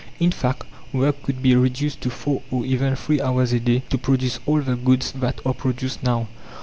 In fact, work could be reduced to four or even three hours a day, to produce all the goods that are produced now.